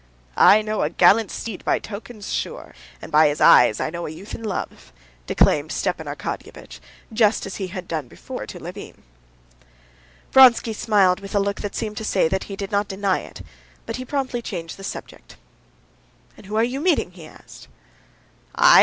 "I know a gallant steed by tokens sure, And by his eyes I know a youth in love," declaimed Stepan Arkadyevitch, just as he had done before to Levin. Vronsky smiled with a look that seemed to say that he did not deny it, but he promptly changed the subject. "And whom are you meeting?" he asked. "I?